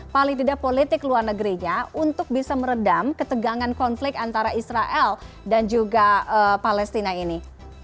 paling tidak politik luar negerinya untuk bisa meredam ketegangan konflik antara israel dan juga palestina ini